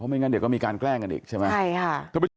ไม่งั้นเดี๋ยวก็มีการแกล้งกันอีกใช่ไหมใช่ค่ะ